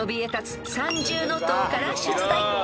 三重塔から出題］